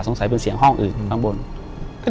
อยู่ที่แม่ศรีวิรัยิลครับ